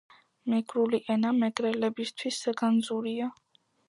მეგრული ენა მეგრელებისთვის საგანძურია